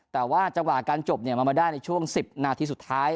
แต่ว่าจังหวะการจบมันมาได้ในช่วง๑๐นาทีสุดท้าย